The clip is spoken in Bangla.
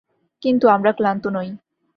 কিন্তু আমরা ক্লান্ত নই।